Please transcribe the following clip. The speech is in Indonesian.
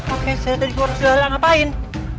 oke saya tadi gue harus jual lah ngapain